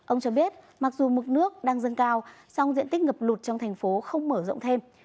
ông cho biết mặc dù mực nước đang dâng cao song diện tích ngập lụt trong thành phố không mở rộng thêm